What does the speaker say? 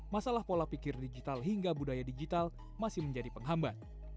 masalah pola pikir digital hingga budaya digital masih menjadi penghambat